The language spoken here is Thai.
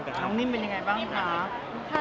ละครกับน้องนิ่มเป็นยังไงบ้างอีกครับ